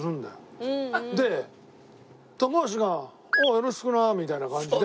で高橋が「よろしくな！」みたいな感じで。